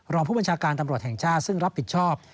รองผู้บัญชาการตำรวจแห่งชาติซึ่งรับผิดชอบ